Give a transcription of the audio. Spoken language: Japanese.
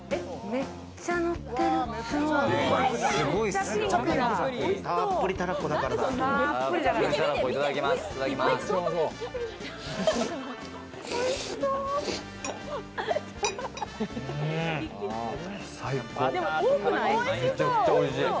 めちゃくちゃおいしい。